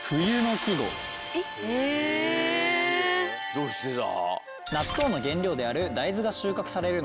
どうしてだ？